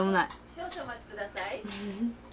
少々お待ち下さい。